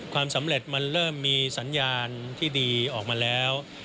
ความสำเร็จมันเริ่มมีสัญญาณที่ดีออกมาแล้ว